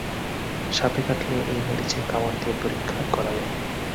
সাপে কাটলে এই মরিচে কামড় দিয়ে পরীক্ষা করা যায়।